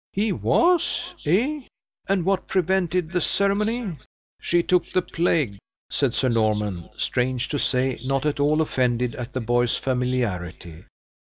"He was, eh! And what prevented the ceremony?" "She took the plague!" said Sir Norman, strange to say, not at all offended at the boy's familiarity.